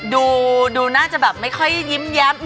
ดูน่าจะแบบไม่ค่อยยิ้มแย้ม